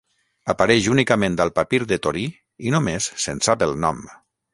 Apareix únicament al Papir de Torí i només se'n sap el nom.